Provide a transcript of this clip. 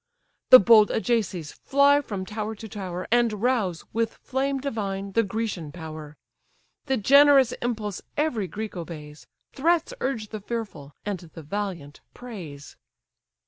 The bold Ajaces fly from tower to tower, And rouse, with flame divine, the Grecian power. The generous impulse every Greek obeys; Threats urge the fearful; and the valiant, praise.